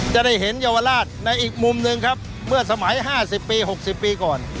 จะได้เห็นเยาวราชในอีกมุมหนึ่งครับเมื่อสมัย๕๐ปี๖๐ปีก่อน